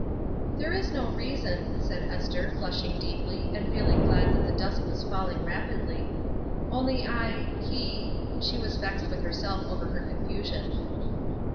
"There is no reason," said Esther, flushing deeply and feehng glad that the dusk was fall ing rapidly. ''Only I, he," she was vexed with herself over her confusion.